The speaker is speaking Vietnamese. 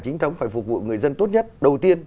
chính thống phải phục vụ người dân tốt nhất đầu tiên